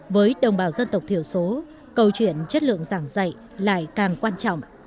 với đồng bào dân tộc thiểu số câu chuyện chất lượng giảng dạy lại càng quan trọng